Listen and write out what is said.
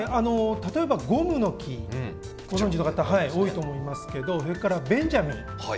例えばゴムノキご存じの方多いと思いますけどそれからベンジャミン。